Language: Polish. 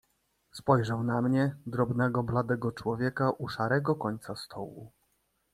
"Spojrzał na mnie, drobnego, bladego człowieka u szarego końca stołu."